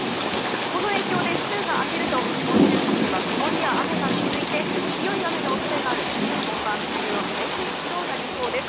この影響で週が明けると本州付近では曇りや雨が続いて強い雨の恐れがある梅雨本番梅雨の最盛期となりそうです。